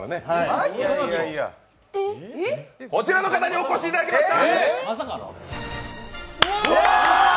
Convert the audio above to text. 今日はこちらの方にお越しいただきました！